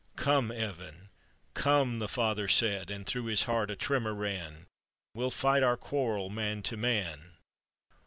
Come, Evan, come," the father said, And through his heart a tremor ran, " We'll fight our quarrel man to man."